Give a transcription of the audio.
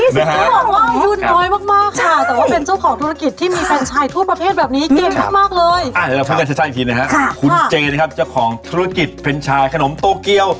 อ่ะเดี๋ยวเราพูดกันชัดอีกทีนะครับคุณเจนะครับเจ้าของธุรกิจเฟรนชายขนมโตเกียว